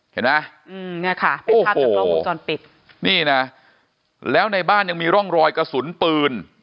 เห็นไหมโอ้โห้แล้วในบ้านยังมีล่องรอยกระสุนปืน